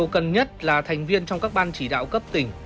cần nhất là thành viên trong các ban chỉ đạo cấp tỉnh